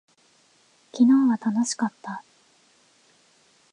昨日は楽しかった。